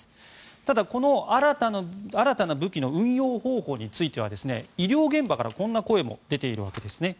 ただ、この新たな武器の運用方法については医療現場からこんな声も出ているわけです。